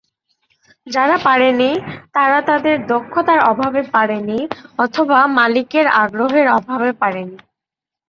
যারা পারেনি, তারা তাদের দক্ষতার অভাবে পারেনি অথবা মালিকের আগ্রহের অভাবে পারেনি।